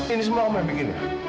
ini semua kamu yang bikin ya